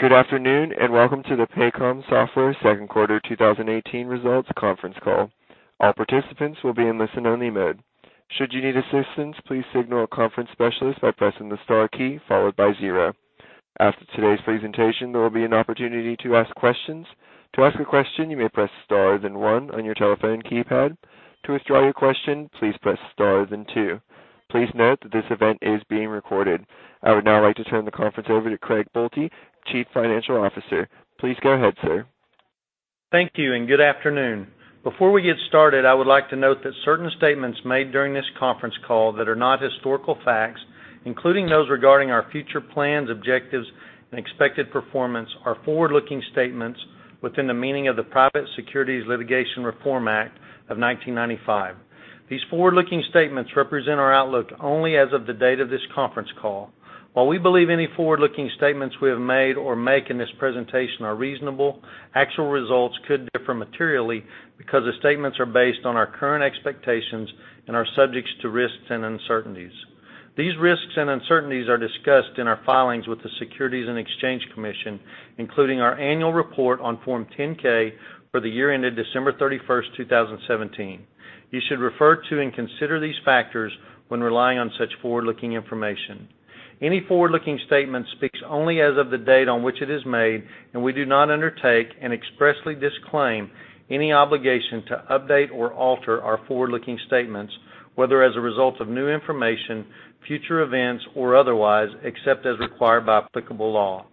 Good afternoon, welcome to the Paycom Software second quarter 2018 results conference call. All participants will be in listen only mode. Should you need assistance, please signal a conference specialist by pressing the star key followed by zero. After today's presentation, there will be an opportunity to ask questions. To ask a question, you may press star then one on your telephone keypad. To withdraw your question, please press star then two. Please note that this event is being recorded. I would now like to turn the conference over to Craig Boelte, Chief Financial Officer. Please go ahead, sir. Thank you, good afternoon. Before we get started, I would like to note that certain statements made during this conference call that are not historical facts, including those regarding our future plans, objectives, and expected performance, are forward-looking statements within the meaning of the Private Securities Litigation Reform Act of 1995. These forward-looking statements represent our outlook only as of the date of this conference call. While we believe any forward-looking statements we have made or make in this presentation are reasonable, actual results could differ materially because the statements are based on our current expectations and are subject to risks and uncertainties. These risks and uncertainties are discussed in our filings with the Securities and Exchange Commission, including our annual report on Form 10-K for the year ended December 31st, 2017. You should refer to and consider these factors when relying on such forward-looking information. Any forward-looking statement speaks only as of the date on which it is made, we do not undertake and expressly disclaim any obligation to update or alter our forward-looking statements, whether as a result of new information, future events, or otherwise, except as required by applicable law.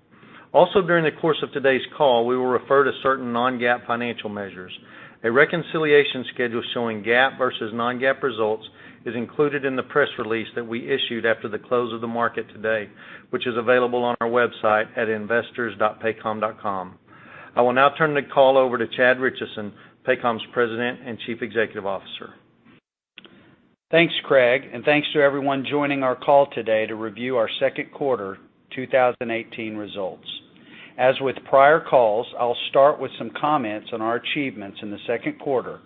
During the course of today's call, we will refer to certain non-GAAP financial measures. A reconciliation schedule showing GAAP versus non-GAAP results is included in the press release that we issued after the close of the market today, which is available on our website at investors.paycom.com. I will now turn the call over to Chad Richison, Paycom's President and Chief Executive Officer. Thanks, Craig, thanks to everyone joining our call today to review our second quarter 2018 results. As with prior calls, I'll start with some comments on our achievements in the second quarter,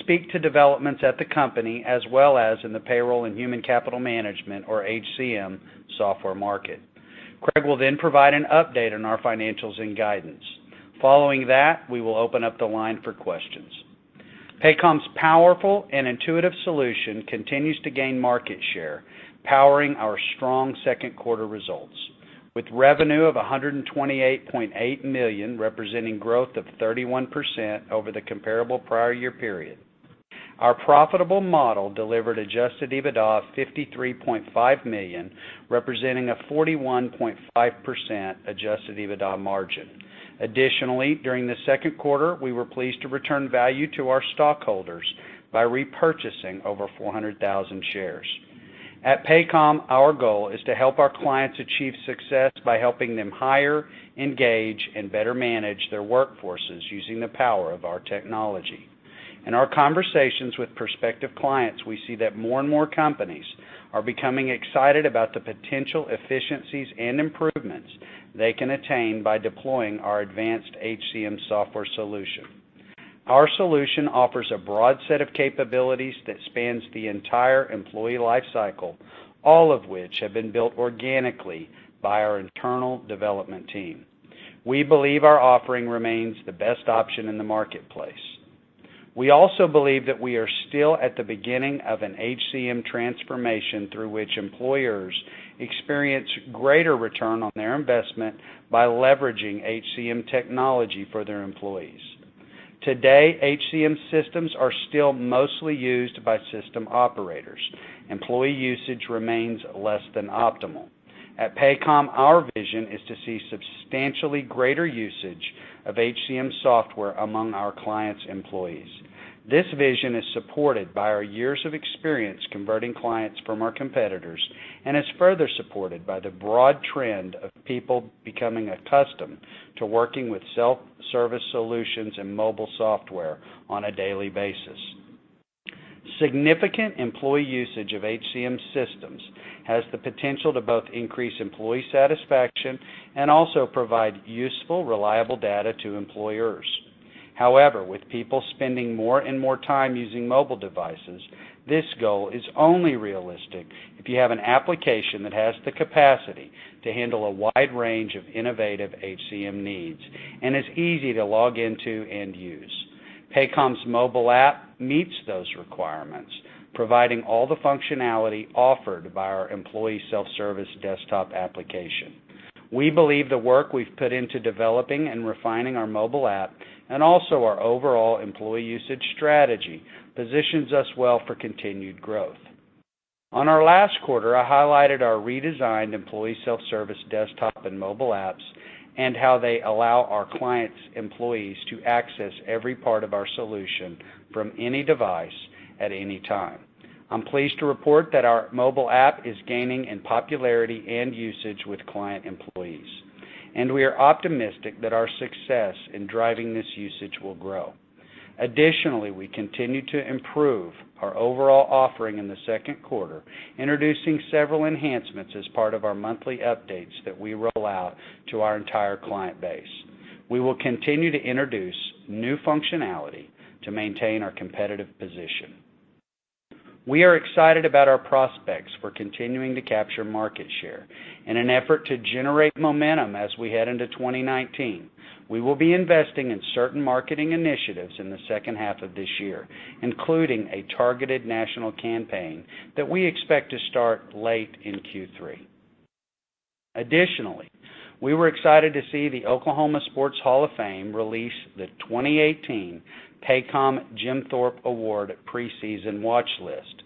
speak to developments at the company as well as in the payroll and human capital management or HCM software market. Craig will provide an update on our financials and guidance. Following that, we will open up the line for questions. Paycom's powerful and intuitive solution continues to gain market share, powering our strong second quarter results. With revenue of $128.8 million, representing growth of 31% over the comparable prior year period. Our profitable model delivered adjusted EBITDA of $53.5 million, representing a 41.5% adjusted EBITDA margin. During the second quarter, we were pleased to return value to our stockholders by repurchasing over 400,000 shares. At Paycom, our goal is to help our clients achieve success by helping them hire, engage, and better manage their workforces using the power of our technology. In our conversations with prospective clients, we see that more and more companies are becoming excited about the potential efficiencies and improvements they can attain by deploying our advanced HCM software solution. Our solution offers a broad set of capabilities that spans the entire employee life cycle, all of which have been built organically by our internal development team. We believe our offering remains the best option in the marketplace. We also believe that we are still at the beginning of an HCM transformation through which employers experience greater return on their investment by leveraging HCM technology for their employees. Today, HCM systems are still mostly used by system operators. Employee usage remains less than optimal. At Paycom, our vision is to see substantially greater usage of HCM software among our clients' employees. This vision is supported by our years of experience converting clients from our competitors and is further supported by the broad trend of people becoming accustomed to working with self-service solutions and mobile software on a daily basis. Significant employee usage of HCM systems has the potential to both increase employee satisfaction and also provide useful, reliable data to employers. However, with people spending more and more time using mobile devices, this goal is only realistic if you have an application that has the capacity to handle a wide range of innovative HCM needs and is easy to log into and use. Paycom's mobile app meets those requirements, providing all the functionality offered by our employee self-service desktop application. We believe the work we've put into developing and refining our mobile app and also our overall employee usage strategy positions us well for continued growth. On our last quarter, I highlighted our redesigned employee self-service desktop and mobile apps and how they allow our clients' employees to access every part of our solution from any device at any time. I'm pleased to report that our mobile app is gaining in popularity and usage with client employees. We are optimistic that our success in driving this usage will grow. Additionally, we continue to improve our overall offering in the second quarter, introducing several enhancements as part of our monthly updates that we roll out to our entire client base. We will continue to introduce new functionality to maintain our competitive position. We are excited about our prospects for continuing to capture market share. In an effort to generate momentum as we head into 2019, we will be investing in certain marketing initiatives in the second half of this year, including a targeted national campaign that we expect to start late in Q3. Additionally, we were excited to see the Oklahoma Sports Hall of Fame release the 2018 Paycom Jim Thorpe Award Preseason watch list.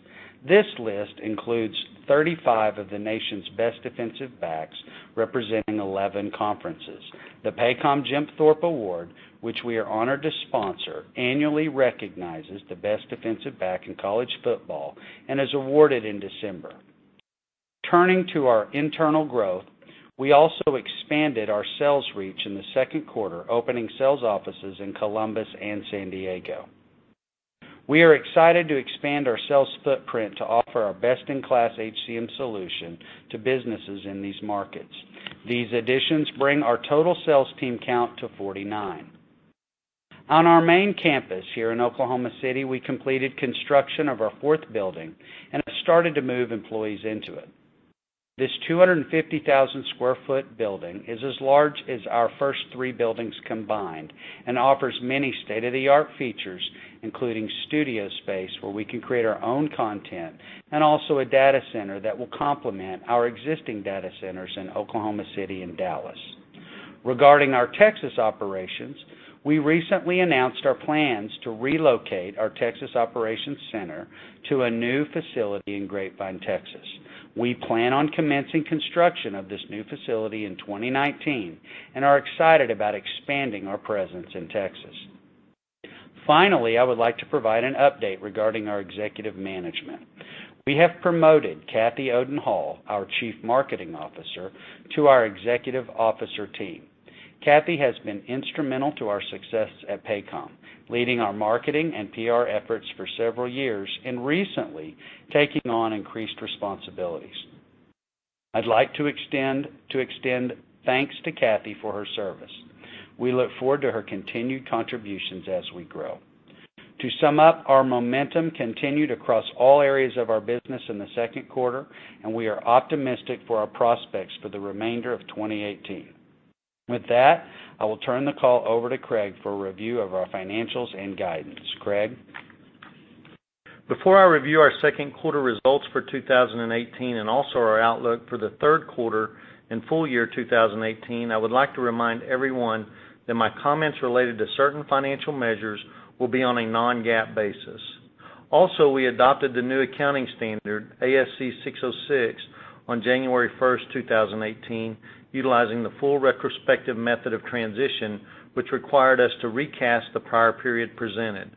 This list includes 35 of the nation's best defensive backs, representing 11 conferences. The Paycom Jim Thorpe Award, which we are honored to sponsor, annually recognizes the best defensive back in college football, and is awarded in December. Turning to our internal growth, we also expanded our sales reach in the second quarter, opening sales offices in Columbus and San Diego. We are excited to expand our sales footprint to offer our best-in-class HCM solution to businesses in these markets. These additions bring our total sales team count to 49. On our main campus here in Oklahoma City, we completed construction of our fourth building and have started to move employees into it. This 250,000 sq ft building is as large as our first three buildings combined and offers many state-of-the-art features, including studio space where we can create our own content, and also a data center that will complement our existing data centers in Oklahoma City and Dallas. Regarding our Texas operations, we recently announced our plans to relocate our Texas operations center to a new facility in Grapevine, Texas. We plan on commencing construction of this new facility in 2019 and are excited about expanding our presence in Texas. Finally, I would like to provide an update regarding our executive management. We have promoted Kathy Oden-Hall, our Chief Marketing Officer, to our executive officer team. Kathy has been instrumental to our success at Paycom, leading our marketing and PR efforts for several years, and recently, taking on increased responsibilities. I'd like to extend thanks to Kathy for her service. We look forward to her continued contributions as we grow. To sum up, our momentum continued across all areas of our business in the second quarter, and we are optimistic for our prospects for the remainder of 2018. With that, I will turn the call over to Craig for a review of our financials and guidance. Craig? Before I review our second quarter results for 2018 and also our outlook for the third quarter and full year 2018, I would like to remind everyone that my comments related to certain financial measures will be on a non-GAAP basis. We adopted the new accounting standard, ASC 606, on January 1st, 2018, utilizing the full retrospective method of transition, which required us to recast the prior period presented.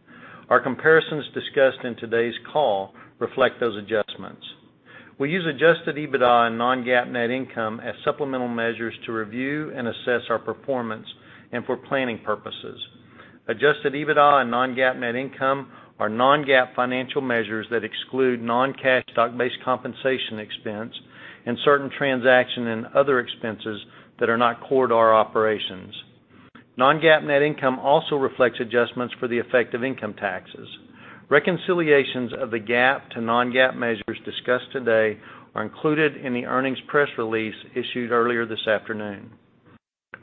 Our comparisons discussed in today's call reflect those adjustments. We use adjusted EBITDA and non-GAAP net income as supplemental measures to review and assess our performance and for planning purposes. Adjusted EBITDA and non-GAAP net income are non-GAAP financial measures that exclude non-cash stock-based compensation expense and certain transaction and other expenses that are not core to our operations. Non-GAAP net income also reflects adjustments for the effective income taxes. Reconciliations of the GAAP to non-GAAP measures discussed today are included in the earnings press release issued earlier this afternoon.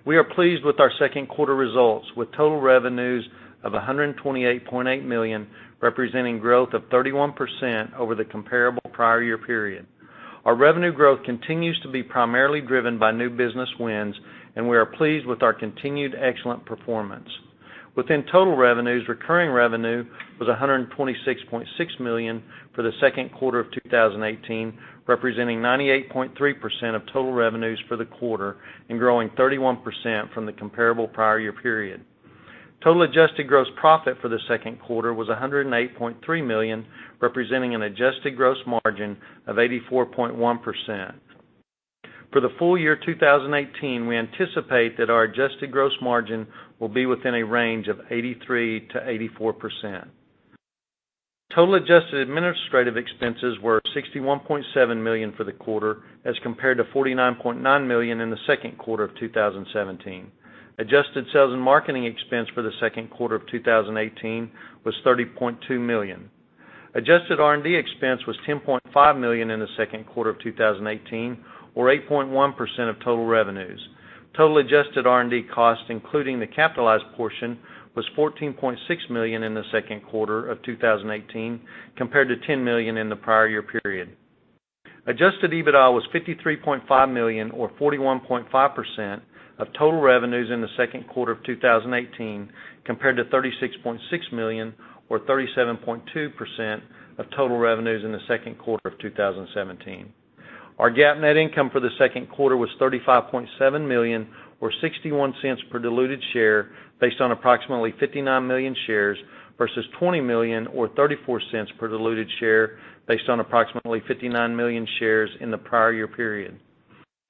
We are pleased with our second quarter results, with total revenues of $128.8 million, representing growth of 31% over the comparable prior year period. Our revenue growth continues to be primarily driven by new business wins, and we are pleased with our continued excellent performance. Within total revenues, recurring revenue was $126.6 million for the second quarter of 2018, representing 98.3% of total revenues for the quarter, and growing 31% from the comparable prior year period. Total adjusted gross profit for the second quarter was $108.3 million, representing an adjusted gross margin of 84.1%. For the full year 2018, we anticipate that our adjusted gross margin will be within a range of 83%-84%. Total adjusted administrative expenses were $61.7 million for the quarter, as compared to $49.9 million in the second quarter of 2017. Adjusted sales and marketing expense for the second quarter of 2018 was $30.2 million. Adjusted R&D expense was $10.5 million in the second quarter of 2018, or 8.1% of total revenues. Total adjusted R&D cost, including the capitalized portion, was $14.6 million in the second quarter of 2018, compared to $10 million in the prior year period. Adjusted EBITDA was $53.5 million or 41.5% of total revenues in the second quarter of 2018, compared to $36.6 million or 37.2% of total revenues in the second quarter of 2017. Our GAAP net income for the second quarter was $35.7 million, or $0.61 per diluted share, based on approximately 59 million shares versus 20 million or $0.34 per diluted share, based on approximately 59 million shares in the prior year period.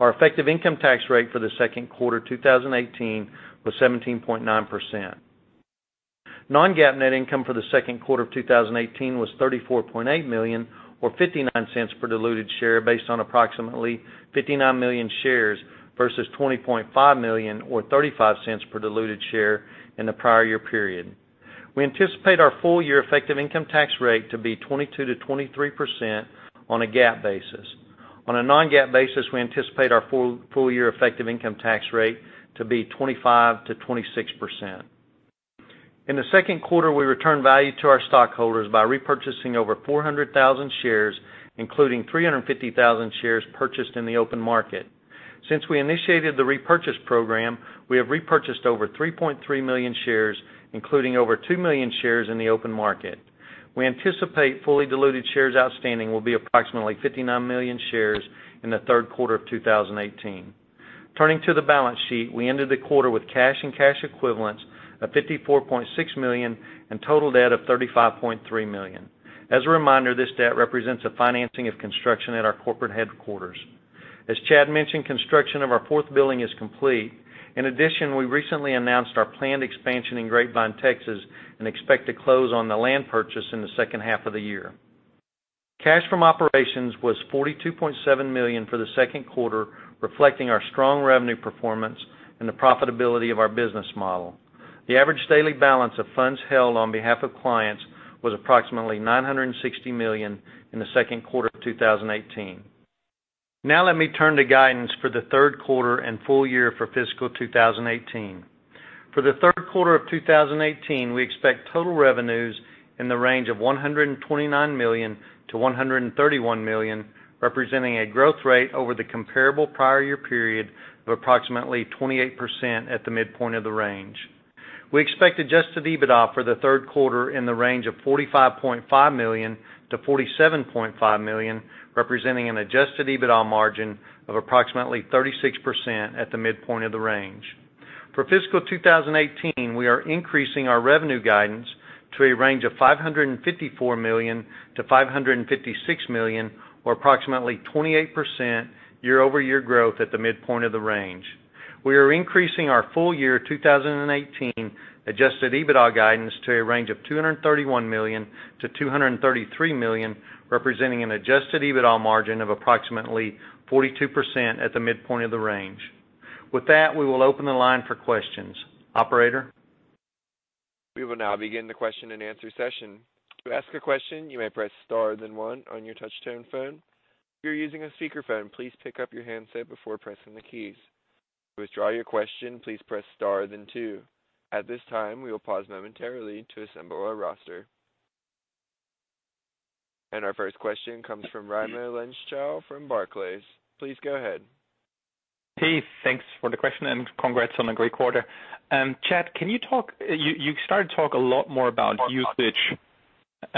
Our effective income tax rate for the second quarter 2018 was 17.9%. Non-GAAP net income for the second quarter of 2018 was $34.8 million or $0.59 per diluted share based on approximately 59 million shares versus 20.5 million or $0.35 per diluted share in the prior year period. We anticipate our full year effective income tax rate to be 22%-23% on a GAAP basis. On a non-GAAP basis, we anticipate our full year effective income tax rate to be 25%-26%. In the second quarter, we returned value to our stockholders by repurchasing over 400,000 shares, including 350,000 shares purchased in the open market. Since we initiated the repurchase program, we have repurchased over 3.3 million shares, including over 2 million shares in the open market. We anticipate fully diluted shares outstanding will be approximately 59 million shares in the third quarter of 2018. Turning to the balance sheet, we ended the quarter with cash and cash equivalents of $54.6 million and total debt of $35.3 million. As a reminder, this debt represents a financing of construction at our corporate headquarters. As Chad mentioned, construction of our fourth building is complete. In addition, we recently announced our planned expansion in Grapevine, Texas, and expect to close on the land purchase in the second half of the year. Cash from operations was $42.7 million for the second quarter, reflecting our strong revenue performance and the profitability of our business model. The average daily balance of funds held on behalf of clients was approximately $960 million in the second quarter of 2018. Let me turn to guidance for the third quarter and full year for fiscal 2018. For the third quarter of 2018, we expect total revenues in the range of $129 million-$131 million, representing a growth rate over the comparable prior year period of approximately 28% at the midpoint of the range. We expect adjusted EBITDA for the third quarter in the range of $45.5 million-$47.5 million, representing an adjusted EBITDA margin of approximately 36% at the midpoint of the range. For fiscal 2018, we are increasing our revenue guidance to a range of $554 million-$556 million or approximately 28% year-over-year growth at the midpoint of the range. We are increasing our full year 2018 adjusted EBITDA guidance to a range of $231 million-$233 million, representing an adjusted EBITDA margin of approximately 42% at the midpoint of the range. With that, we will open the line for questions. Operator? We will now begin the question and answer session. To ask a question, you may press star then one on your touchtone phone. If you're using a speakerphone, please pick up your handset before pressing the keys. To withdraw your question, please press star then two. At this time, we will pause momentarily to assemble our roster. Our first question comes from Raimo Lenschow from Barclays. Please go ahead. Thanks for the question and congrats on a great quarter. Chad, you started to talk a lot more about usage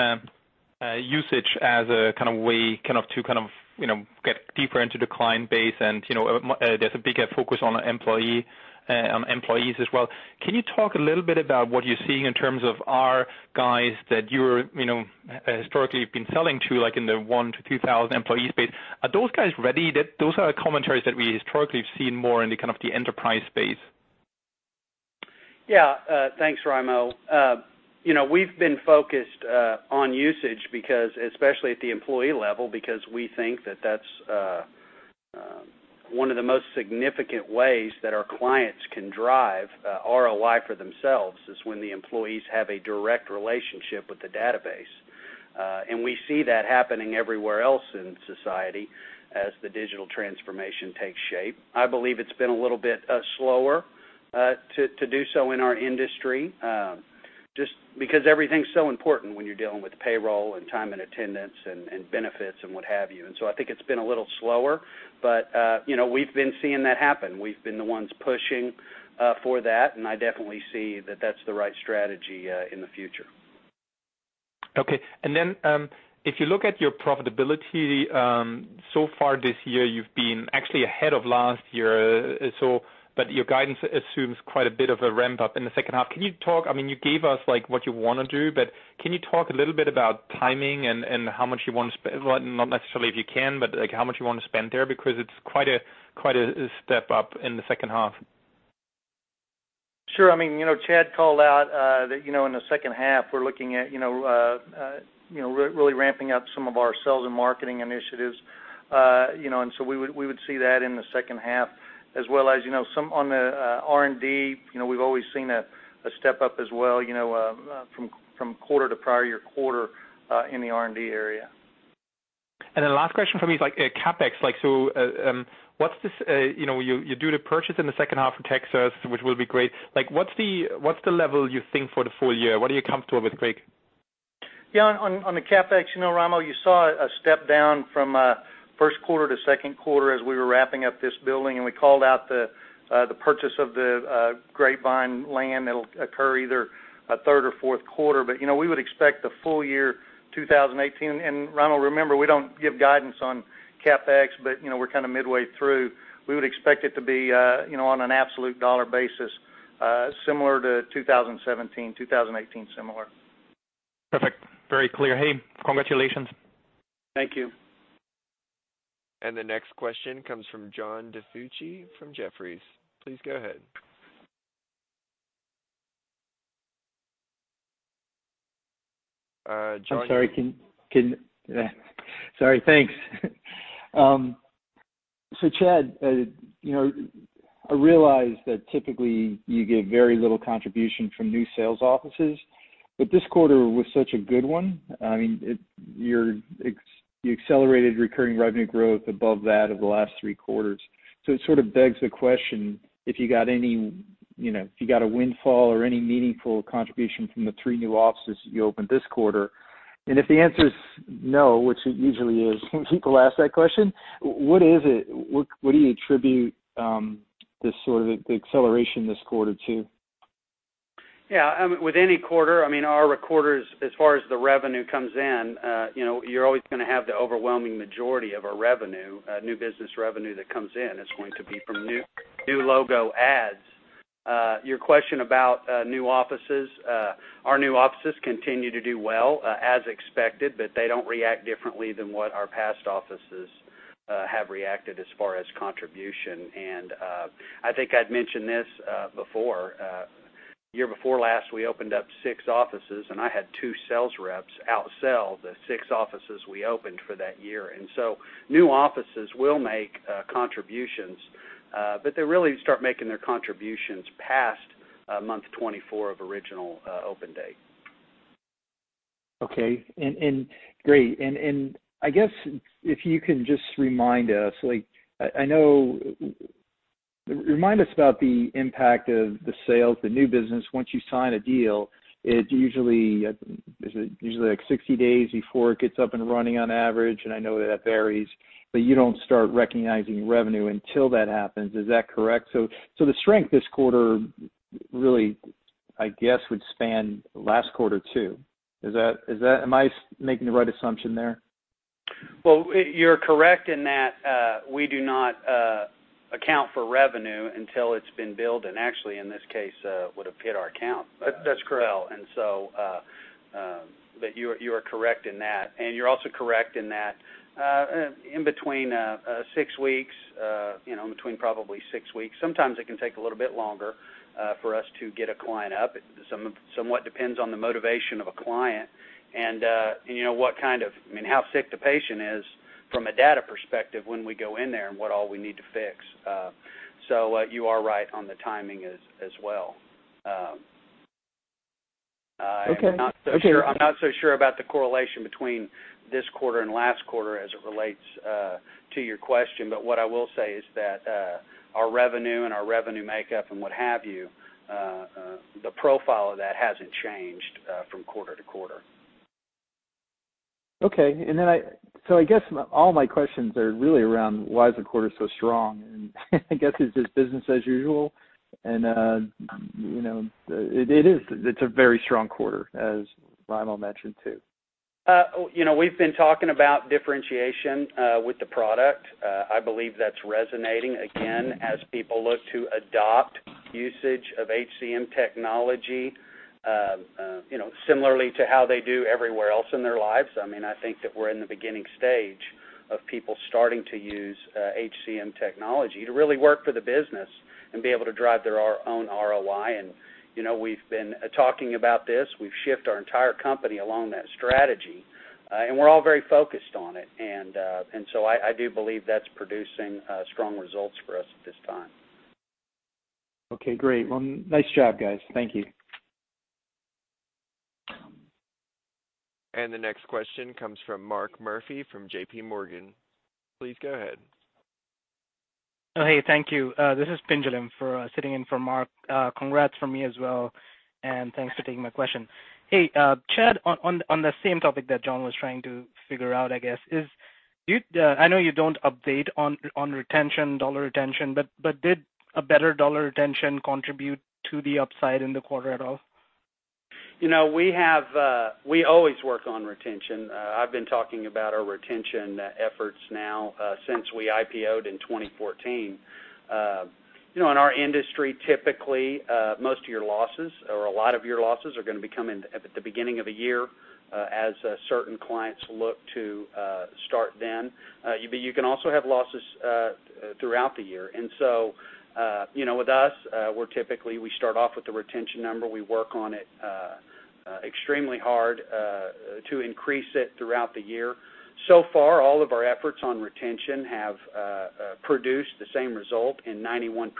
as a way to get deeper into the client base and there's a bigger focus on employees as well. Can you talk a little bit about what you're seeing in terms of our guys that you've historically been selling to, like in the 1-2,000 employees space? Are those guys ready? Those are commentaries that we historically have seen more in the enterprise space. Thanks, Raimo. We've been focused on usage, especially at the employee level, because we think that that's one of the most significant ways that our clients can drive ROI for themselves, is when the employees have a direct relationship with the database. We see that happening everywhere else in society as the digital transformation takes shape. I believe it's been a little bit slower to do so in our industry, just because everything's so important when you're dealing with payroll and time and attendance and benefits and what have you. So I think it's been a little slower, but we've been seeing that happen. We've been the ones pushing for that, and I definitely see that that's the right strategy in the future. Okay. If you look at your profitability, so far this year, you've been actually ahead of last year, your guidance assumes quite a bit of a ramp up in the second half. You gave us what you want to do, can you talk a little bit about timing and how much you want to spend, not necessarily if you can, but how much you want to spend there? It's quite a step up in the second half. Sure. Chad called out, that in the second half, we're looking at really ramping up some of our sales and marketing initiatives. We would see that in the second half as well as on the R&D. We've always seen a step up as well from quarter to prior year quarter, in the R&D area. The last question for me is CapEx. You do the purchase in the second half of Texas, which will be great. What's the level you think for the full year? What are you comfortable with, Craig? Yeah, on the CapEx, Raimo, you saw a step down from first quarter to second quarter as we were wrapping up this building, we called out the purchase of the Grapevine land that'll occur either third or fourth quarter. We would expect the full year 2018, Raimo, remember, we don't give guidance on CapEx, we're kind of midway through. We would expect it to be, on an absolute dollar basis, similar to 2017, 2018 similar. Perfect. Very clear. Hey, congratulations. Thank you. The next question comes from John DiFucci from Jefferies. Please go ahead. I'm sorry. Sorry, thanks. Chad Richison, I realize that typically you get very little contribution from new sales offices, this quarter was such a good one. You accelerated recurring revenue growth above that of the last three quarters. It sort of begs the question, if you got a windfall or any meaningful contribution from the three new offices you opened this quarter, if the answer is no, which it usually is when people ask that question, what do you attribute the acceleration this quarter to? Yeah. With any quarter, our quarters, as far as the revenue comes in, you're always going to have the overwhelming majority of our new business revenue that comes in is going to be from new logo adds. Your question about new offices, our new offices continue to do well, as expected, but they don't react differently than what our past offices have reacted as far as contribution. I think I'd mentioned this before, year before last, we opened up six offices, and I had two sales reps outsell the six offices we opened for that year. New offices will make contributions, but they really start making their contributions past month 24 of original open date. Okay. Great, I guess if you can just remind us about the impact of the sales, the new business, once you sign a deal, is it usually 60 days before it gets up and running on average? I know that varies, but you don't start recognizing revenue until that happens. Is that correct? The strength this quarter really, I guess, would span last quarter, too? Am I making the right assumption there? Well, you're correct in that we do not account for revenue until it's been billed, and actually, in this case, would have hit our account. That's correct. as well. You are correct in that. You are also correct in that, in between probably six weeks, sometimes it can take a little bit longer for us to get a client up. It somewhat depends on the motivation of a client, and how sick the patient is from a data perspective when we go in there, and what all we need to fix. You are right on the timing as well. Okay. I'm not so sure about the correlation between this quarter and last quarter as it relates to your question, but what I will say is that our revenue and our revenue makeup and what have you, the profile of that hasn't changed from quarter to quarter. Okay. I guess all my questions are really around why is the quarter so strong, and I guess it's just business as usual, and it's a very strong quarter, as Raimo mentioned, too. We've been talking about differentiation with the product. I believe that's resonating again as people look to adopt usage of HCM technology similarly to how they do everywhere else in their lives. I think that we're in the beginning stage of people starting to use HCM technology to really work for the business and be able to drive their own ROI. We've been talking about this. We've shifted our entire company along that strategy. We're all very focused on it. I do believe that's producing strong results for us at this time. Okay, great. Nice job, guys. Thank you. The next question comes from Mark Murphy from J.P. Morgan. Please go ahead. Hey, thank you. This is Pinjalim sitting in for Mark. Congrats from me as well. Thanks for taking my question. Hey, Chad, on the same topic that John was trying to figure out, I guess, I know you don't update on retention, dollar retention, did a better dollar retention contribute to the upside in the quarter at all? We always work on retention. I've been talking about our retention efforts now since we IPO'd in 2014. In our industry, typically, most of your losses or a lot of your losses are going to be coming at the beginning of a year as certain clients look to start then. You can also have losses throughout the year. With us, we're typically, we start off with the retention number. We work on it extremely hard to increase it throughout the year. So far, all of our efforts on retention have produced the same result in 91%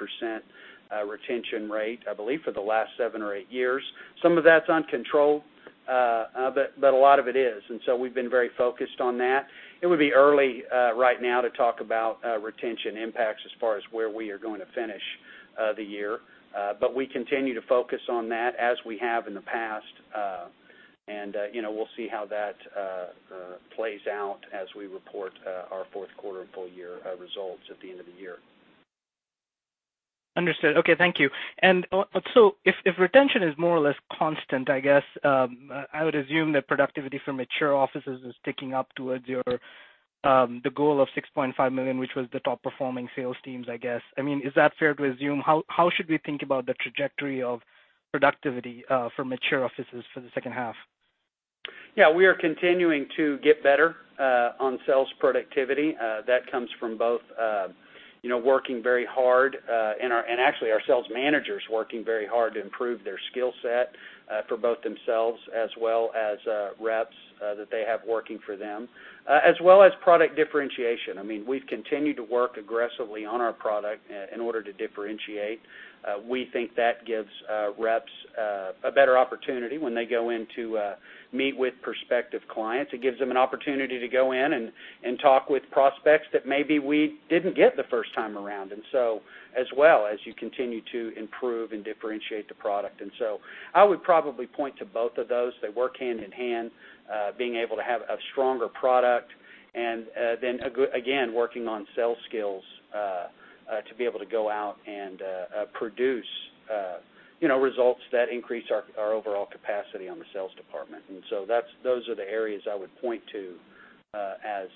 retention rate, I believe, for the last seven or eight years. Some of that's uncontrolled, but a lot of it is. We've been very focused on that. It would be early right now to talk about retention impacts as far as where we are going to finish the year, but we continue to focus on that as we have in the past, and we'll see how that plays out as we report our fourth quarter and full year results at the end of the year. Understood. Okay, thank you. If retention is more or less constant, I guess, I would assume that productivity for mature offices is ticking up towards the goal of $6.5 million, which was the top performing sales teams, I guess. Is that fair to assume? How should we think about the trajectory of productivity for mature offices for the second half? Yeah, we are continuing to get better on sales productivity. That comes from both working very hard, and actually our sales managers working very hard to improve their skill set for both themselves as well as reps that they have working for them, as well as product differentiation. We've continued to work aggressively on our product in order to differentiate. We think that gives reps a better opportunity when they go in to meet with prospective clients. It gives them an opportunity to go in and talk with prospects that maybe we didn't get the first time around, and so as well as you continue to improve and differentiate the product. I would probably point to both of those. They work hand in hand, being able to have a stronger product and then again, working on sales skills to be able to go out and produce results that increase our overall capacity on the sales department. Those are the areas I would point to as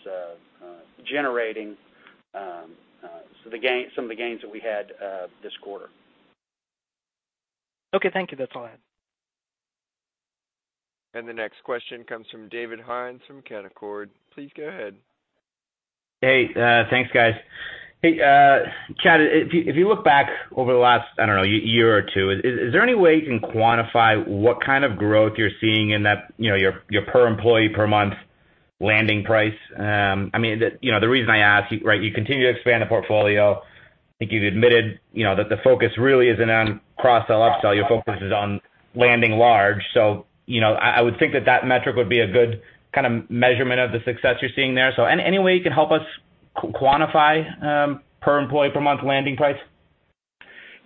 generating some of the gains that we had this quarter. Okay. Thank you. That's all I had. The next question comes from David Hynes from Canaccord. Please go ahead. Hey, thanks guys. Hey, Chad, if you look back over the last, I don't know, year or two, is there any way you can quantify what kind of growth you're seeing in your per employee per month landing price? The reason I ask, you continue to expand the portfolio. I think you've admitted that the focus really isn't on cross-sell, upsell. Your focus is on landing large. I would think that that metric would be a good kind of measurement of the success you're seeing there. Any way you can help us quantify per employee per month landing price?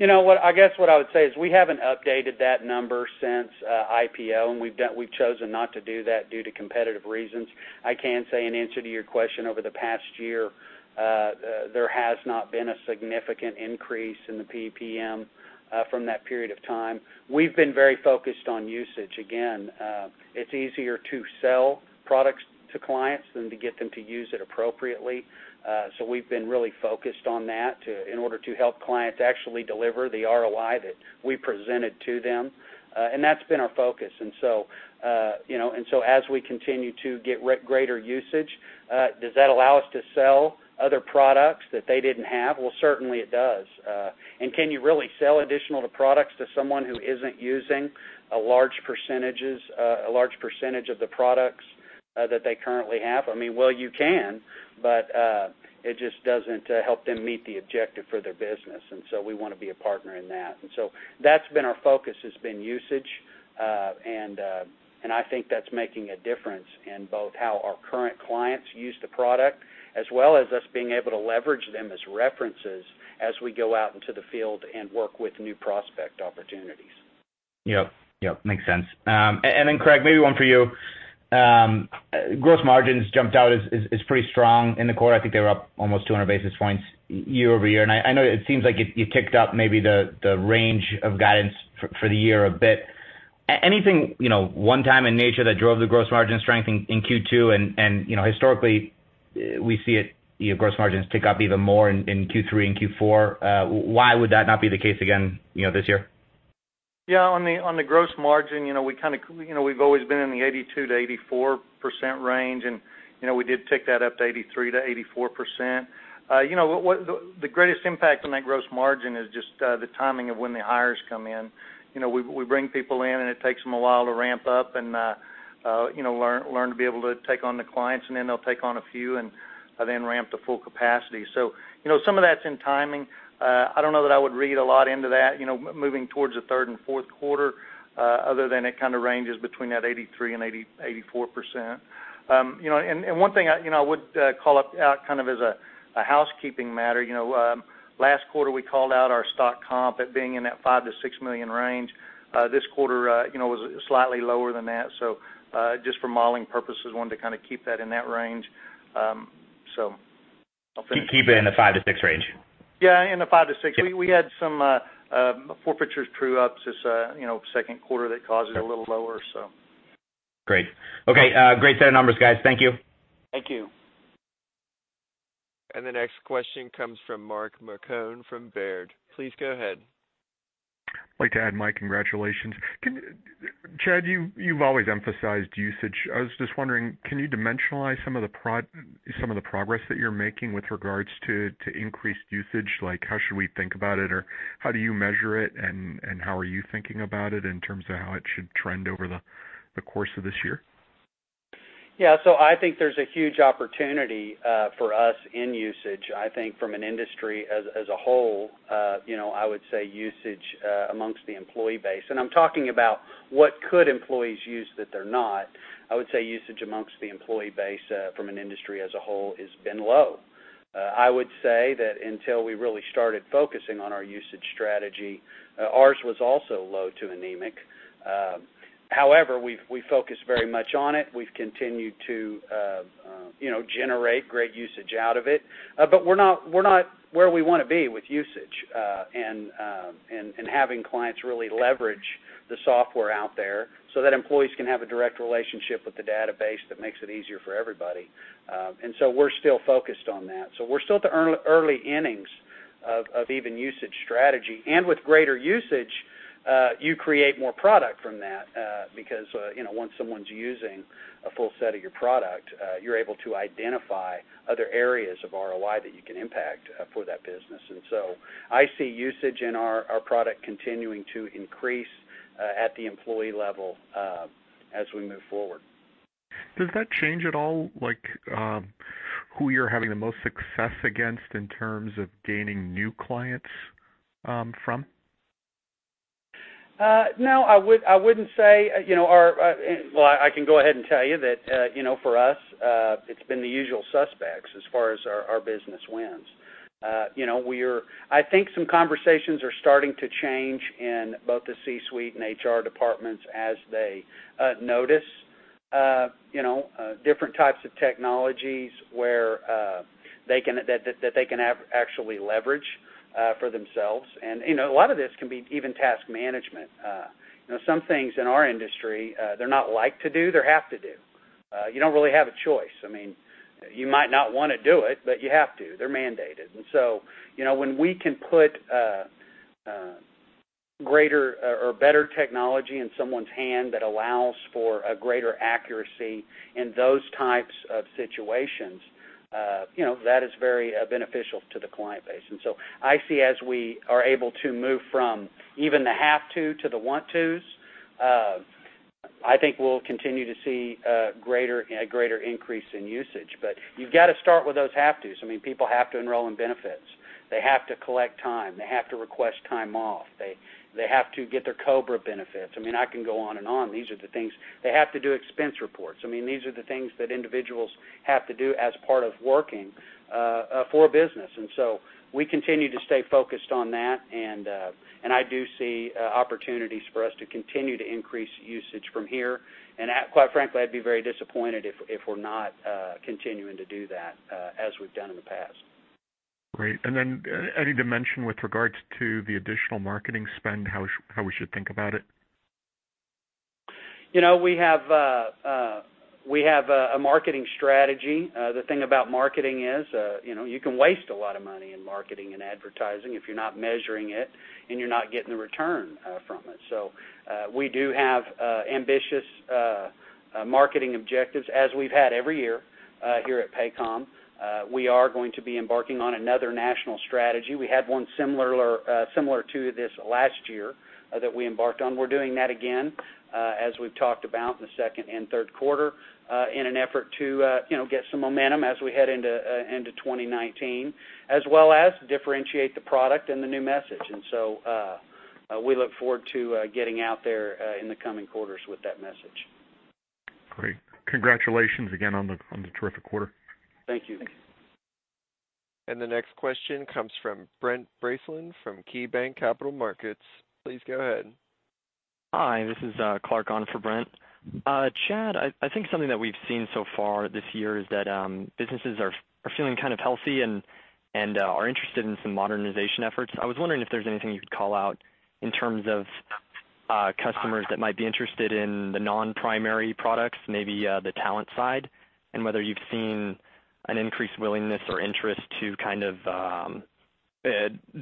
I guess what I would say is we haven't updated that number since IPO, we've chosen not to do that due to competitive reasons. I can say, in answer to your question, over the past year, there has not been a significant increase in the PEPM from that period of time. We've been very focused on usage. Again, it's easier to sell products to clients than to get them to use it appropriately. We've been really focused on that in order to help clients actually deliver the ROI that we presented to them. That's been our focus. As we continue to get greater usage, does that allow us to sell other products that they didn't have? Well, certainly it does. Can you really sell additional products to someone who isn't using a large percentage of the products that they currently have? You can, but it just doesn't help them meet the objective for their business. We want to be a partner in that. That's been our focus, has been usage. I think that's making a difference in both how our current clients use the product, as well as us being able to leverage them as references as we go out into the field and work with new prospect opportunities. Yep. Makes sense. Then Craig, maybe one for you. Gross margins jumped out as pretty strong in the quarter. I think they were up almost 200 basis points year-over-year. I know it seems like you ticked up maybe the range of guidance for the year a bit. Anything one time in nature that drove the gross margin strength in Q2? Historically, we see gross margins tick up even more in Q3 and Q4. Why would that not be the case again this year? On the gross margin, we've always been in the 82%-84% range, we did tick that up to 83%-84%. The greatest impact on that gross margin is just the timing of when the hires come in. We bring people in, it takes them a while to ramp up and learn to be able to take on the clients, then they'll take on a few and then ramp to full capacity. Some of that's in timing. I don't know that I would read a lot into that, moving towards the third and fourth quarter, other than it kind of ranges between that 83% and 84%. One thing I would call out kind of as a housekeeping matter, last quarter, we called out our stock comp at being in that $5 million-$6 million range. This quarter, it was slightly lower than that. Just for modeling purposes, wanted to kind of keep that in that range. Keep it in the five to six range. Yeah, in the five to six. Yep. We had some forfeitures true up this second quarter that caused it a little lower. Great. Okay. Great set of numbers, guys. Thank you. Thank you. The next question comes from Mark Marcon from Baird. Please go ahead. I'd like to add my congratulations. Chad, you've always emphasized usage. I was just wondering, can you dimensionalize some of the progress that you're making with regards to increased usage? How should we think about it, or how do you measure it, and how are you thinking about it in terms of how it should trend over the course of this year? Yeah. I think there's a huge opportunity for us in usage. I think from an industry as a whole, I would say usage amongst the employee base, and I'm talking about what could employees use that they're not, I would say usage amongst the employee base from an industry as a whole has been low. Until we really started focusing on our usage strategy, ours was also low to anemic. However, we focus very much on it. We've continued to generate great usage out of it. We're not where we want to be with usage, and having clients really leverage the software out there so that employees can have a direct relationship with the database that makes it easier for everybody. We're still focused on that. We're still at the early innings of even usage strategy. With greater usage, you create more product from that, because once someone's using a full set of your product, you're able to identify other areas of ROI that you can impact for that business. I see usage in our product continuing to increase at the employee level as we move forward. Does that change at all who you're having the most success against in terms of gaining new clients from? No, I wouldn't say. Well, I can go ahead and tell you that, for us, it's been the usual suspects as far as our business wins. I think some conversations are starting to change in both the C-suite and HR departments as they notice different types of technologies that they can actually leverage for themselves. A lot of this can be even task management. Some things in our industry, they're not like to do, they're have to do. You don't really have a choice. You might not want to do it, but you have to. They're mandated. When we can put greater or better technology in someone's hand that allows for a greater accuracy in those types of situations, that is very beneficial to the client base. I see as we are able to move from even the have to the want tos, I think we'll continue to see a greater increase in usage. You've got to start with those have tos. People have to enroll in benefits. They have to collect time. They have to request time off. They have to get their COBRA benefits. I can go on and on. They have to do expense reports. These are the things that individuals have to do as part of working for a business. We continue to stay focused on that, and I do see opportunities for us to continue to increase usage from here. Quite frankly, I'd be very disappointed if we're not continuing to do that as we've done in the past. Great. Any dimension with regards to the additional marketing spend, how we should think about it? We have a marketing strategy. The thing about marketing is you can waste a lot of money in marketing and advertising if you're not measuring it and you're not getting a return from it. We do have ambitious marketing objectives as we've had every year here at Paycom. We are going to be embarking on another national strategy. We had one similar to this last year that we embarked on. We're doing that again, as we've talked about in the second and third quarter, in an effort to get some momentum as we head into 2019, as well as differentiate the product and the new message. We look forward to getting out there in the coming quarters with that message. Great. Congratulations again on the terrific quarter. Thank you. The next question comes from Brent Bracelin from KeyBanc Capital Markets. Please go ahead. Hi, this is Clark on for Brent. Chad Richison, I think something that we've seen so far this year is that businesses are feeling kind of healthy and are interested in some modernization efforts. I was wondering if there's anything you could call out in terms of customers that might be interested in the non-primary products, maybe the talent side, and whether you've seen an increased willingness or interest to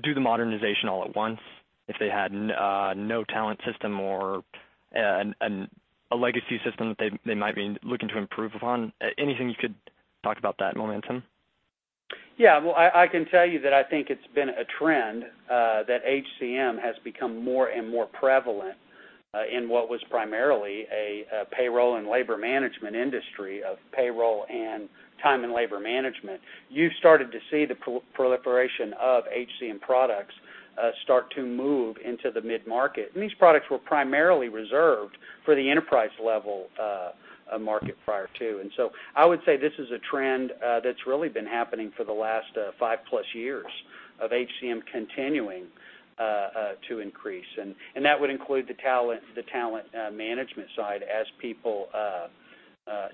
do the modernization all at once if they had no talent system or a legacy system that they might be looking to improve upon. Anything you could talk about that momentum? Yeah. Well, I can tell you that I think it's been a trend that HCM has become more and more prevalent in what was primarily a payroll and labor management industry of payroll and time and labor management. You started to see the proliferation of HCM products start to move into the mid-market. These products were primarily reserved for the enterprise level market prior to. So I would say this is a trend that's really been happening for the last five-plus years of HCM continuing to increase. That would include the talent management side as people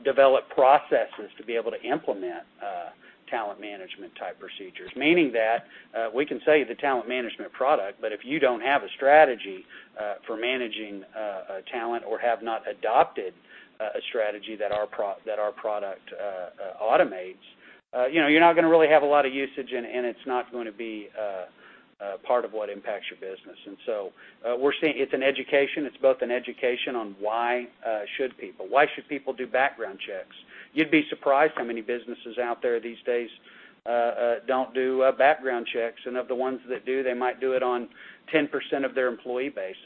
develop processes to be able to implement talent management type procedures, meaning that we can sell you the talent management product, but if you don't have a strategy for managing talent or have not adopted a strategy that our product automates, you're not going to really have a lot of usage and it's not going to be part of what impacts your business. So we're seeing it's an education. It's both an education on why should people do background checks. You'd be surprised how many businesses out there these days don't do background checks. Of the ones that do, they might do it on 10% of their employee base.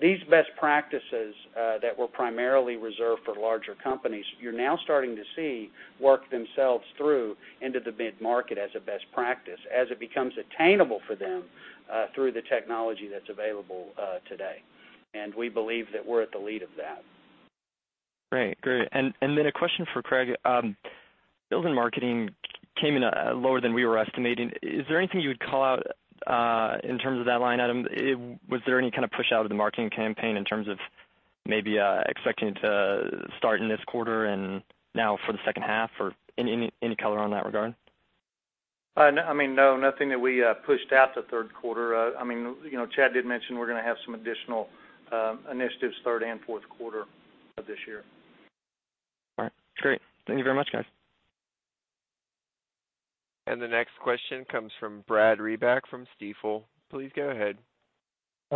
These best practices that were primarily reserved for larger companies, you're now starting to see work themselves through into the mid-market as a best practice, as it becomes attainable for them through the technology that's available today. We believe that we're at the lead of that. Great. A question for Craig. Sales and marketing came in lower than we were estimating. Is there anything you would call out in terms of that line item? Was there any kind of push out of the marketing campaign in terms of maybe expecting it to start in this quarter and now for the second half, or any color on that regard? Nothing that we pushed out to third quarter. Chad did mention we're going to have some additional initiatives third and fourth quarter of this year. Great. Thank you very much, guys. The next question comes from Brad Reback from Stifel. Please go ahead.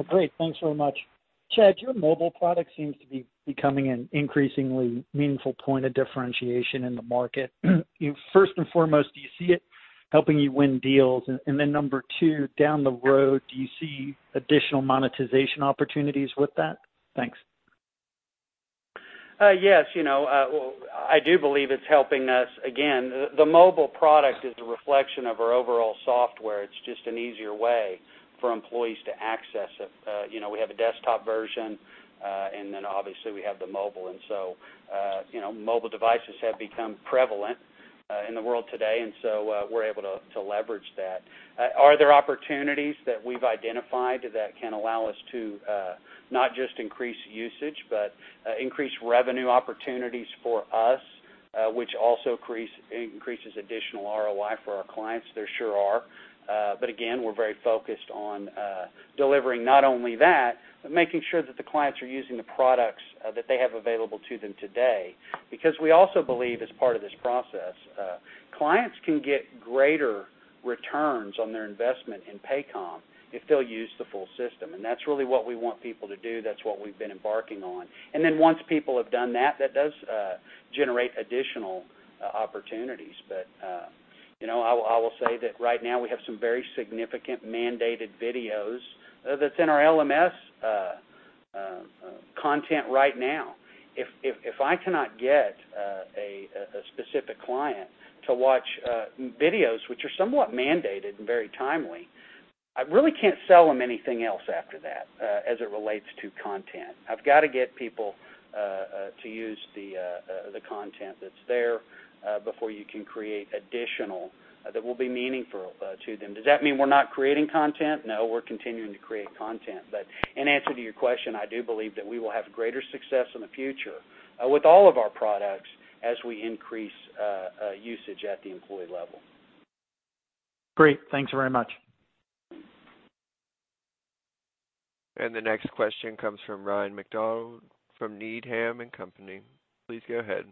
Great. Thanks very much. Chad, your mobile product seems to be becoming an increasingly meaningful point of differentiation in the market. First and foremost, do you see it helping you win deals? Then number two, down the road, do you see additional monetization opportunities with that? Thanks. Yes. I do believe it's helping us. Again, the mobile product is a reflection of our overall software. It's just an easier way for employees to access it. We have a desktop version, then obviously we have the mobile. So mobile devices have become prevalent in the world today, so we're able to leverage that. Are there opportunities that we've identified that can allow us to not just increase usage, but increase revenue opportunities for us, which also increases additional ROI for our clients? There sure are. Again, we're very focused on delivering not only that, but making sure that the clients are using the products that they have available to them today. Because we also believe, as part of this process, clients can get greater returns on their investment in Paycom if they'll use the full system. That's really what we want people to do. That's what we've been embarking on. Then once people have done that does generate additional opportunities. I will say that right now we have some very significant mandated videos that's in our LMS content right now. If I cannot get a specific client to watch videos, which are somewhat mandated and very timely, I really can't sell them anything else after that as it relates to content. I've got to get people to use the content that's there before you can create additional that will be meaningful to them. Does that mean we're not creating content? No, we're continuing to create content. In answer to your question, I do believe that we will have greater success in the future with all of our products as we increase usage at the employee level. Great. Thanks very much. The next question comes from Ryan MacDonald from Needham & Company. Please go ahead.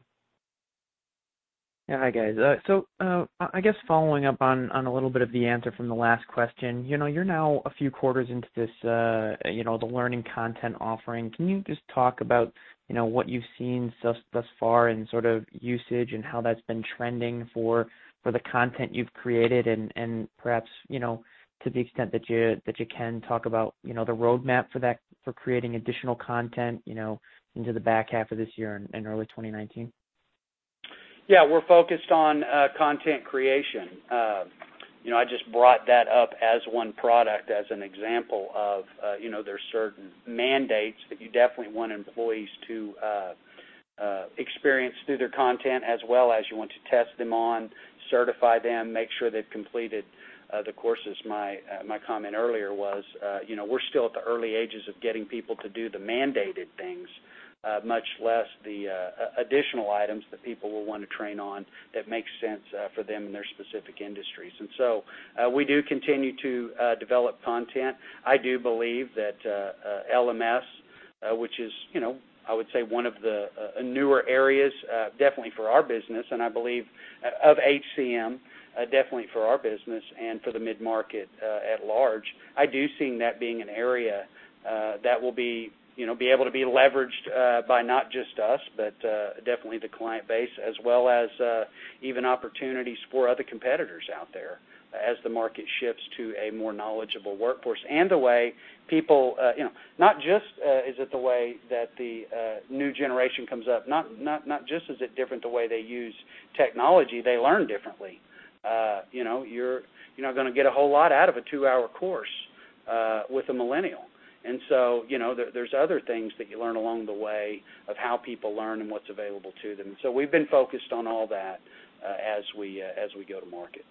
Hi, guys. I guess following up on a little bit of the answer from the last question. You're now a few quarters into the learning content offering. Can you just talk about what you've seen thus far in usage and how that's been trending for the content you've created and perhaps, to the extent that you can, talk about the roadmap for creating additional content into the back half of this year and early 2019? Yeah, we're focused on content creation. I just brought that up as one product as an example of there's certain mandates that you definitely want employees to experience through their content as well as you want to test them on, certify them, make sure they've completed the courses. My comment earlier was we're still at the early ages of getting people to do the mandated things, much less the additional items that people will want to train on that make sense for them in their specific industries. We do continue to develop content. I do believe that LMS, which is, I would say, one of the newer areas, definitely for our business, and I believe of HCM, definitely for our business and for the mid-market at large. I do see that being an area that will be able to be leveraged by not just us, but definitely the client base as well as even opportunities for other competitors out there as the market shifts to a more knowledgeable workforce. Not just is it the way that the new generation comes up, not just is it different the way they use technology, they learn differently. You're not going to get a whole lot out of a two-hour course with a millennial. There's other things that you learn along the way of how people learn and what's available to them. We've been focused on all that as we go to market.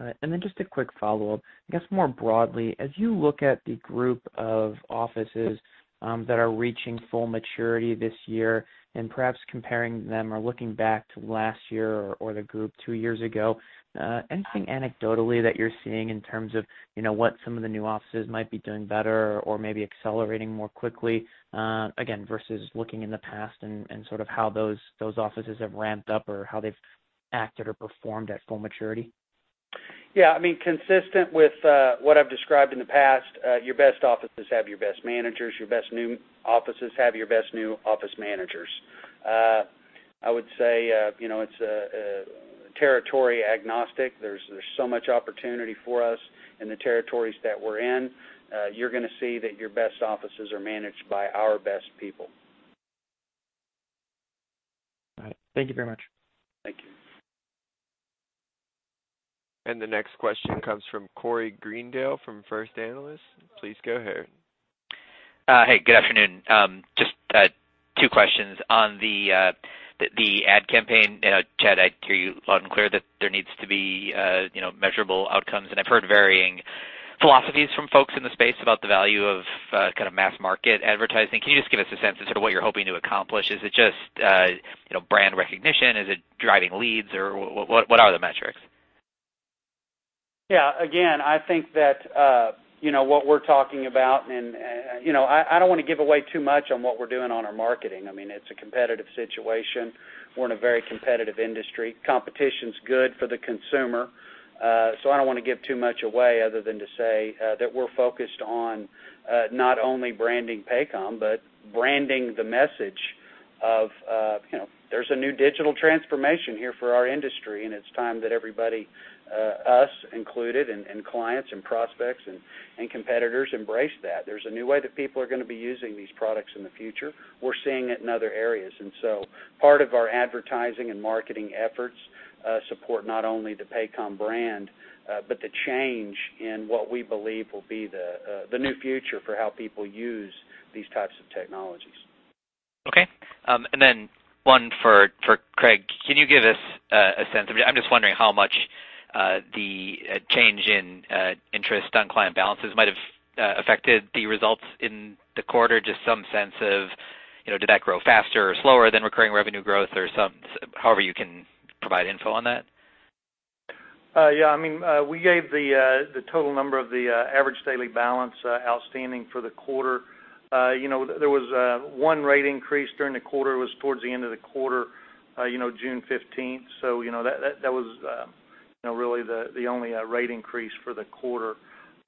All right. Just a quick follow-up. I guess more broadly, as you look at the group of offices that are reaching full maturity this year, and perhaps comparing them or looking back to last year or the group two years ago, anything anecdotally that you're seeing in terms of what some of the new offices might be doing better or maybe accelerating more quickly, again, versus looking in the past and how those offices have ramped up or how they've acted or performed at full maturity? Yeah. Consistent with what I've described in the past, your best offices have your best managers, your best new offices have your best new office managers. I would say it's territory agnostic. There's so much opportunity for us in the territories that we're in. You're going to see that your best offices are managed by our best people. All right. Thank you very much. Thank you. The next question comes from Corey Greendale from First Analysis. Please go ahead. Hey, good afternoon. Just two questions. On the ad campaign, Chad, I hear you loud and clear that there needs to be measurable outcomes, and I've heard varying philosophies from folks in the space about the value of mass market advertising. Can you just give us a sense of what you're hoping to accomplish? Is it just brand recognition? Is it driving leads, or what are the metrics? Yeah. Again, I think that what we're talking about, I don't want to give away too much on what we're doing on our marketing. It's a competitive situation. We're in a very competitive industry. Competition's good for the consumer. I don't want to give too much away other than to say that we're focused on not only branding Paycom but branding the message of, there's a new digital transformation here for our industry, and it's time that everybody, us included, and clients and prospects and competitors embrace that. There's a new way that people are going to be using these products in the future. We're seeing it in other areas. Part of our advertising and marketing efforts support not only the Paycom brand but the change in what we believe will be the new future for how people use these types of technologies. Okay. One for Craig. Can you give us a sense of, I'm just wondering how much the change in interest on client balances might have affected the results in the quarter. Just some sense of, did that grow faster or slower than recurring revenue growth or however you can provide info on that? Yeah. We gave the total number of the average daily balance outstanding for the quarter. There was one rate increase during the quarter. It was towards the end of the quarter, June 15th. That was really the only rate increase for the quarter.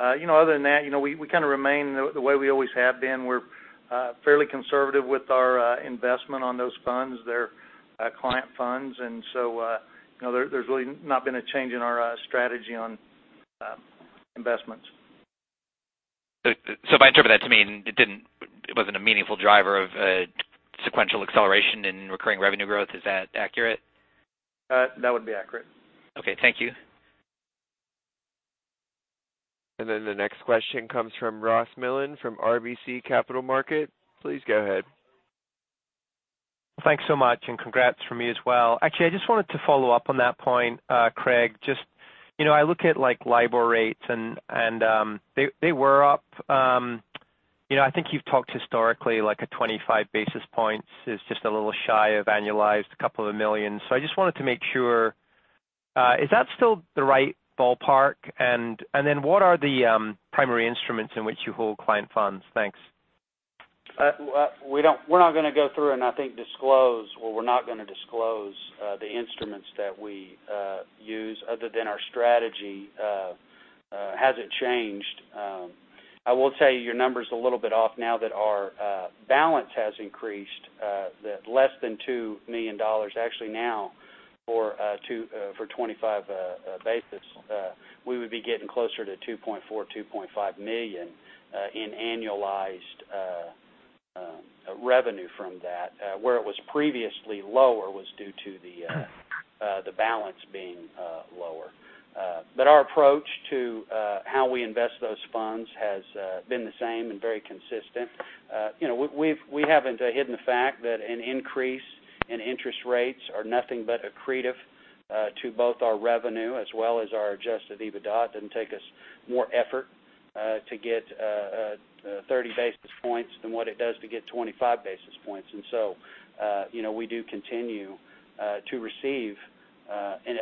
Other than that, we kind of remain the way we always have been. We're fairly conservative with our investment on those funds. They're client funds, there's really not been a change in our strategy on investments. If I interpret that to mean it wasn't a meaningful driver of sequential acceleration in recurring revenue growth, is that accurate? That would be accurate. Okay. Thank you. The next question comes from Ross MacMillan from RBC Capital Markets. Please go ahead. Thanks so much, and congrats from me as well. Actually, I just wanted to follow up on that point, Craig. I look at like LIBOR rates, and they were up. I think you've talked historically like a 25 basis points is just a little shy of annualized $2 million. I just wanted to make sure, is that still the right ballpark? What are the primary instruments in which you hold client funds? Thanks. Well, we're not going to disclose the instruments that we use other than our strategy, hasn't changed. I will tell you, your number's a little bit off now that our balance has increased, that less than $2 million actually now for 25 basis. We would be getting closer to $2.4 million-$2.5 million in annualized revenue from that. Where it was previously lower was due to the Our approach to how we invest those funds has been the same and very consistent. We haven't hidden the fact that an increase in interest rates are nothing but accretive to both our revenue as well as our adjusted EBITDA. It doesn't take us more effort to get 30 basis points than what it does to get 25 basis points. We do continue to receive and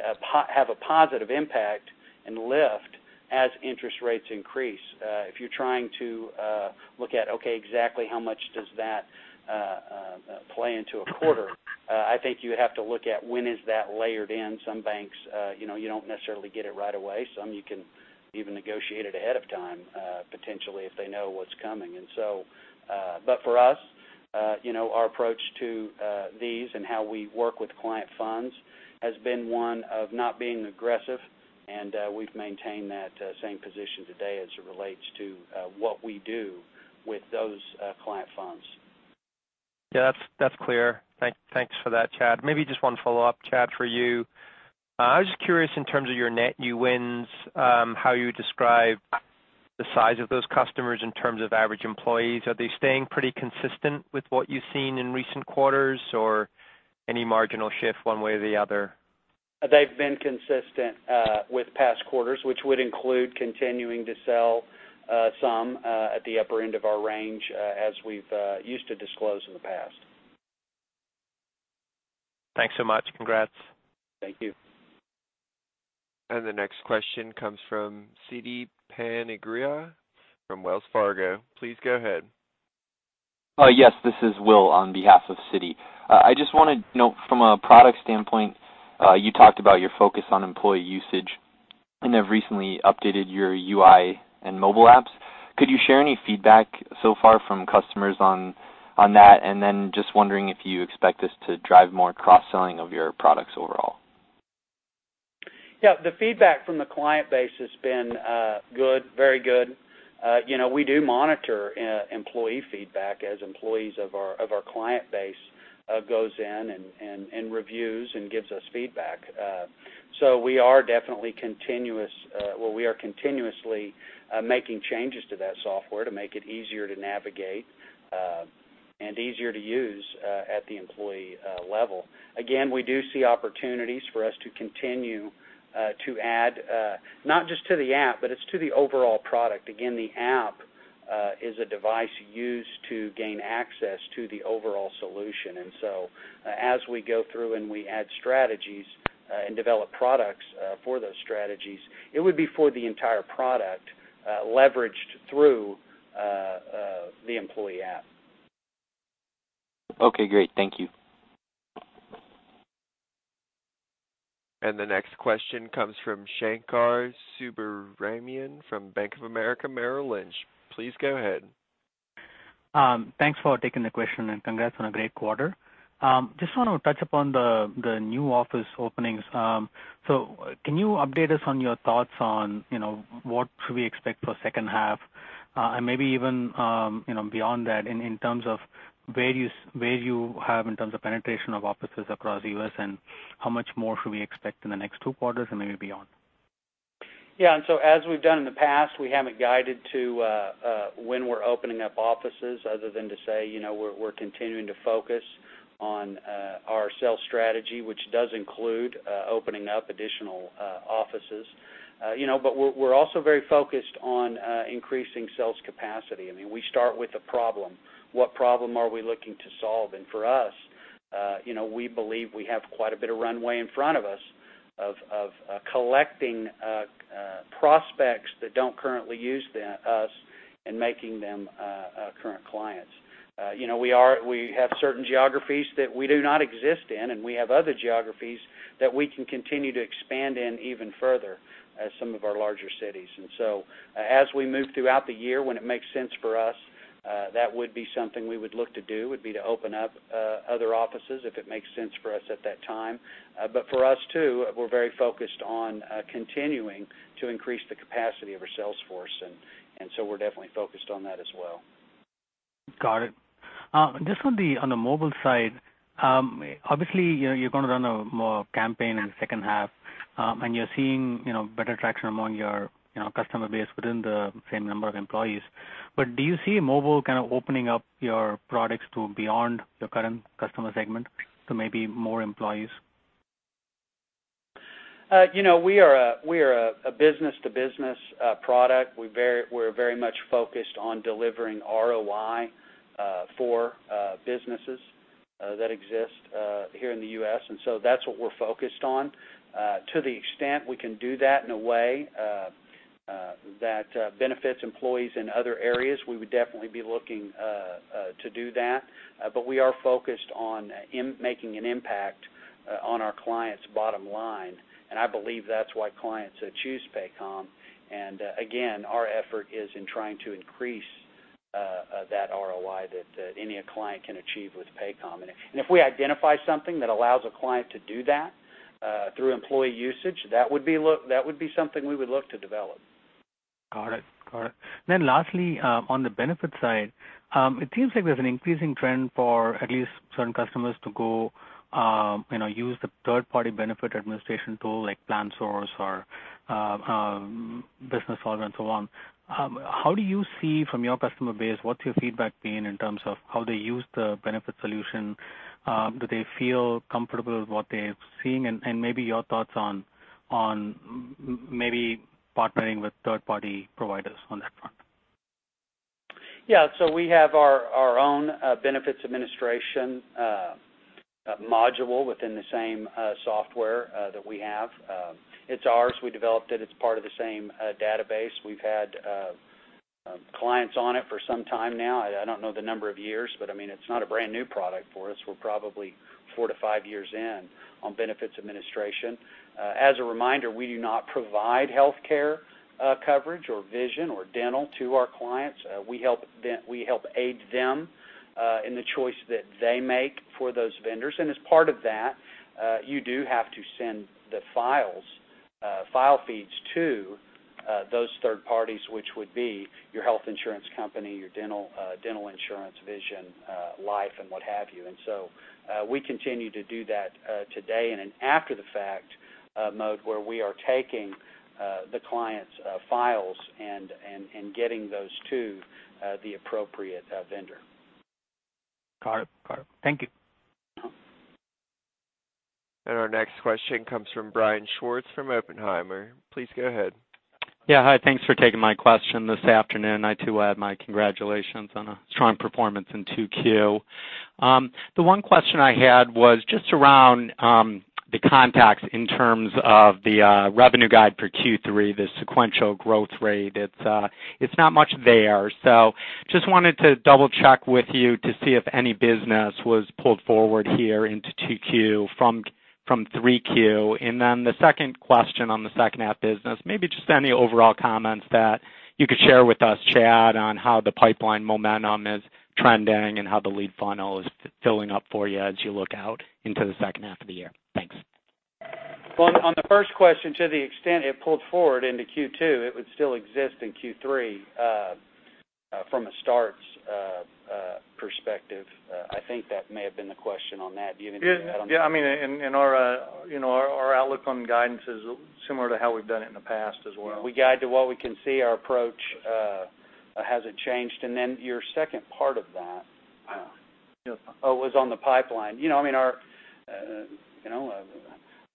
have a positive impact and lift as interest rates increase. If you're trying to look at, okay, exactly how much does that play into a quarter, I think you have to look at when is that layered in. Some banks you don't necessarily get it right away. Some you can even negotiate it ahead of time, potentially if they know what's coming. For us, our approach to these and how we work with client funds has been one of not being aggressive, and we've maintained that same position today as it relates to what we do with those client funds. Yeah, that's clear. Thanks for that. Chad, maybe just one follow-up, Chad, for you. I was just curious in terms of your net new wins, how you describe the size of those customers in terms of average employees. Are they staying pretty consistent with what you've seen in recent quarters, or any marginal shift one way or the other? They've been consistent with past quarters, which would include continuing to sell some at the upper end of our range as we've used to disclose in the past. Thanks so much. Congrats. Thank you. The next question comes from Siti Panigrahi from Wells Fargo. Please go ahead. Yes. This is Will on behalf of Citi. I just want to note from a product standpoint, you talked about your focus on employee usage and have recently updated your UI and mobile apps. Could you share any feedback so far from customers on that? Just wondering if you expect this to drive more cross-selling of your products overall. Yeah. The feedback from the client base has been good, very good. We do monitor employee feedback as employees of our client base goes in and reviews and gives us feedback. We are continuously making changes to that software to make it easier to navigate and easier to use at the employee level. Again, we do see opportunities for us to continue to add, not just to the app, but it's to the overall product. Again, the app is a device used to gain access to the overall solution. As we go through and we add strategies and develop products for those strategies, it would be for the entire product leveraged through the employee app. Okay, great. Thank you. The next question comes from Shankar Subramanian from Bank of America Merrill Lynch. Please go ahead. Thanks for taking the question and congrats on a great quarter. Can you update us on your thoughts on what should we expect for second half? Maybe even beyond that in terms of where you have in terms of penetration of offices across the U.S., and how much more should we expect in the next two quarters and maybe beyond? Yeah. As we've done in the past, we haven't guided to when we're opening up offices other than to say we're continuing to focus on our sales strategy, which does include opening up additional offices. We're also very focused on increasing sales capacity. We start with the problem, what problem are we looking to solve? For us, we believe we have quite a bit of runway in front of us of collecting prospects that don't currently use us and making them current clients. We have certain geographies that we do not exist in, and we have other geographies that we can continue to expand in even further as some of our larger cities. As we move throughout the year, when it makes sense for us, that would be something we would look to do, would be to open up other offices if it makes sense for us at that time. For us, too, we're very focused on continuing to increase the capacity of our sales force. We're definitely focused on that as well. Got it. Just on the mobile side, obviously, you're going to run a more campaign in the second half, and you're seeing better traction among your customer base within the same number of employees. Do you see mobile kind of opening up your products to beyond your current customer segment to maybe more employees? We are a business-to-business product. We're very much focused on delivering ROI for businesses that exist here in the U.S., that's what we're focused on. To the extent we can do that in a way that benefits employees in other areas, we would definitely be looking to do that. We are focused on making an impact on our clients' bottom line, and I believe that's why clients choose Paycom. Again, our effort is in trying to increase that ROI that any client can achieve with Paycom. If we identify something that allows a client to do that through employee usage, that would be something we would look to develop. Got it. Lastly, on the benefits side, it seems like there's an increasing trend for at least certain customers to go use the third-party benefit administration tool like PlanSource or Businessolver and so on. How do you see from your customer base, what's your feedback been in terms of how they use the benefit solution? Do they feel comfortable with what they're seeing? Maybe your thoughts on maybe partnering with third-party providers on that front. Yeah. We have our own benefits administration module within the same software that we have. It's ours, we developed it. It's part of the same database. We've had clients on it for some time now. I don't know the number of years, but it's not a brand new product for us. We're probably four to five years in on benefits administration. As a reminder, we do not provide healthcare coverage or vision or dental to our clients. We help aid them in the choice that they make for those vendors. As part of that, you do have to send the file feeds to those third parties, which would be your health insurance company, your dental insurance, vision, life, and what have you. We continue to do that today in an after-the-fact mode where we are taking the client's files and getting those to the appropriate vendor. Got it. Thank you. Our next question comes from Brian Schwartz from Oppenheimer. Please go ahead. Yeah. Hi. Thanks for taking my question this afternoon. I, too, add my congratulations on a strong performance in 2Q. The one question I had was just around the contacts in terms of the revenue guide for Q3, the sequential growth rate. It's not much there. Just wanted to double check with you to see if any business was pulled forward here into 2Q from 3Q. The second question on the second half business, maybe just any overall comments that you could share with us, Chad, on how the pipeline momentum is trending and how the lead funnel is filling up for you as you look out into the second half of the year. Thanks. Well, on the first question, to the extent it pulled forward into Q2, it would still exist in Q3 from a starts perspective. I think that may have been the question on that. Do you have anything to add on that? Yeah. Our outlook on guidance is similar to how we've done it in the past as well. We guide to what we can see, our approach hasn't changed. Your second part of that Oh, was on the pipeline.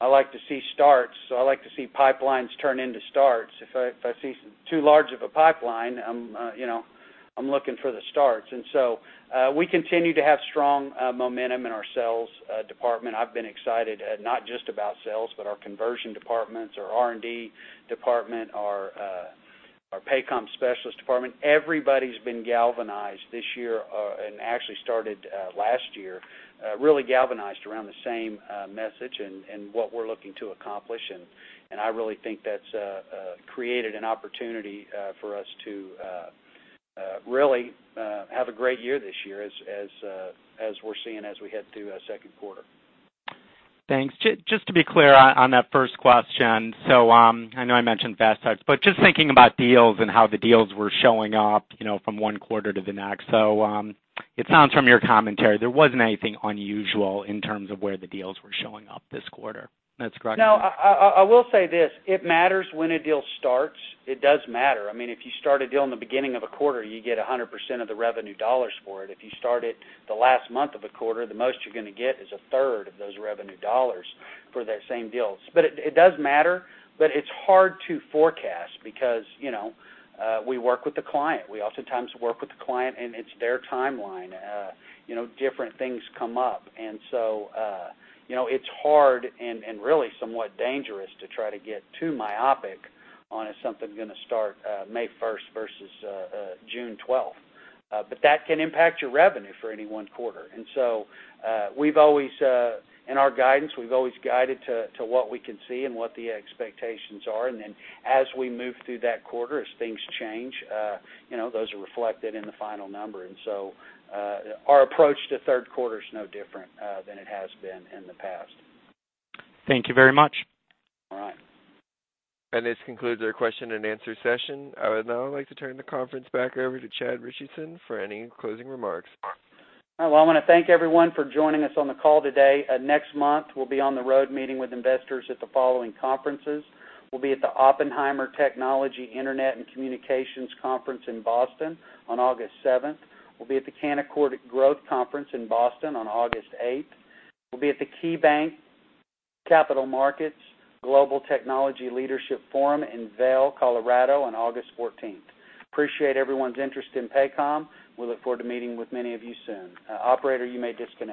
I like to see starts, I like to see pipelines turn into starts. If I see too large of a pipeline, I'm looking for the starts. We continue to have strong momentum in our sales department. I've been excited not just about sales, but our conversion departments, our R&D department, our Paycom specialist department. Everybody's been galvanized this year, and actually started last year, really galvanized around the same message and what we're looking to accomplish. I really think that's created an opportunity for us to really have a great year this year as we're seeing as we head through second quarter. Thanks. Just to be clear on that first question. I know I mentioned [FasTech], but just thinking about deals and how the deals were showing up from one quarter to the next. It sounds from your commentary, there wasn't anything unusual in terms of where the deals were showing up this quarter. That's correct? No, I will say this. It matters when a deal starts. It does matter. If you start a deal in the beginning of a quarter, you get 100% of the revenue dollars for it. If you start it the last month of a quarter, the most you're going to get is a third of those revenue dollars for that same deals. It does matter, but it's hard to forecast because we work with the client. We oftentimes work with the client, and it's their timeline. Different things come up. It's hard and really somewhat dangerous to try to get too myopic on if something's going to start May 1st versus June 12th. That can impact your revenue for any one quarter. In our guidance, we've always guided to what we can see and what the expectations are. As we move through that quarter, as things change, those are reflected in the final number. Our approach to third quarter is no different than it has been in the past. Thank you very much. All right. This concludes our question and answer session. I would now like to turn the conference back over to Chad Richison for any closing remarks. Well, I want to thank everyone for joining us on the call today. Next month, we'll be on the road meeting with investors at the following conferences. We'll be at the Oppenheimer Technology Internet and Communications Conference in Boston on August 7th. We'll be at the Canaccord Growth Conference in Boston on August 8th. We'll be at the KeyBanc Capital Markets Global Technology Leadership Forum in Vail, Colorado on August 14th. Appreciate everyone's interest in Paycom. We look forward to meeting with many of you soon. Operator, you may disconnect.